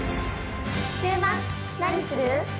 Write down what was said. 週末何する？